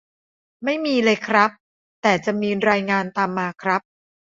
ไม่มีเลยครับ แต่จะมีรายงานตามมาครับ